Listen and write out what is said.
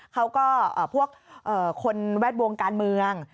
เขาก็พวกคนแวดวงการเมือง